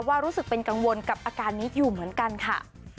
รู้สึกเป็นกังวลกับอาการนี้อยู่เหมือนกันค่ะ